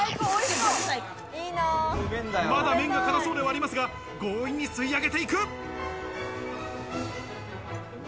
麺が辛そうではありますが、強引に吸い上げていく。